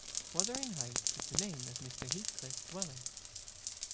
Wuthering Heights is the name of Mr. Heathcliff’s dwelling.